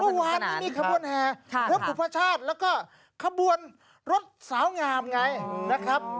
ทุกวันนี้มีขบวนแห่เพื่อผู้ประชาติแล้วก็ขบวนรถสาวงามไงนะครับ